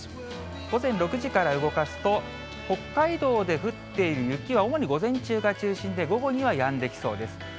午前６時から動かすと、北海道で降っている雪は主に午前中が中心で、午後にはやんできそうです。